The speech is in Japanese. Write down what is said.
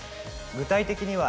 具体的には。